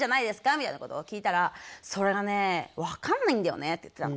みたいなことを聞いたら「それがね分かんないんだよね」って言ってたの。